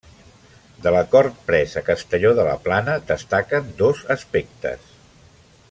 De l'acord pres a Castelló de la Plana destaquen dos aspectes.